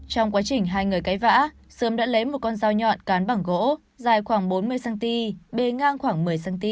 trong quá trình hai người cấy vã sươm đã lấy một con dao nhọn cán bảng gỗ dài khoảng bốn mươi cm bê ngang khoảng một mươi cm